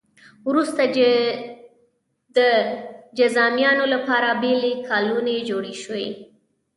وروسته د جذامیانو لپاره بېلې کالونۍ جوړې شوې.